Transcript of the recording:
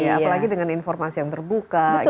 apalagi dengan informasi yang terbuka